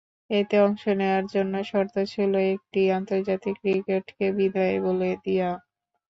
এতে অংশ নেওয়ার জন্য শর্ত ছিল একটিই, আন্তর্জাতিক ক্রিকেটকে বিদায় বলে দেওয়া।